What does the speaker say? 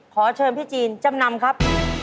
ขอเชิญพี่จีนจำนำครับ